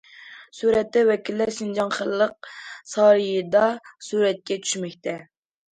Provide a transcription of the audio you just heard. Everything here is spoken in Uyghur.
سۈرەتتە ۋەكىللەر شىنجاڭ خەلق سارىيىدا سۈرەتكە چۈشمەكتە.